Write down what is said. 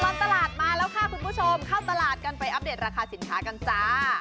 ตลอดตลาดมาแล้วค่ะคุณผู้ชมเข้าตลาดกันไปอัปเดตราคาสินค้ากันจ้า